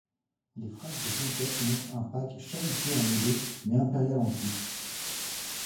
Les phases de conquête montrent un pack chahuté en mêlée mais impérial en touche.